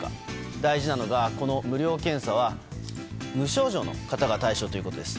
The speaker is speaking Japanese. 大事なのがこの無料検査は無症状の方が対象ということです。